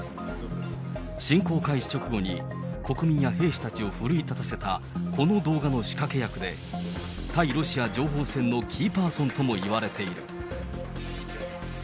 侵攻開始直後に、国民や兵士たちを奮い立たせたこの動画の仕掛け役で、対ロシア情報戦のキーパーソンともいわれている。